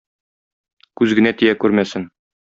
Күз генә тия күрмәсен!